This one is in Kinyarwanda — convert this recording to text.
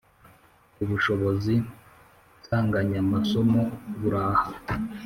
ubushobozi nsanganyamasomo buraha